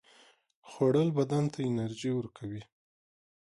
خوړل بدن ته انرژي ورکوي